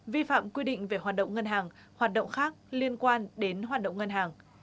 vi phạm quy định về hoạt động ngân hàng hoạt động khác liên quan đến hoạt động ngân hàng